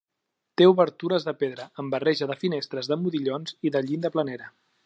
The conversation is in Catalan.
Té obertures de pedra, amb barreja de finestres de modillons i de llinda planera.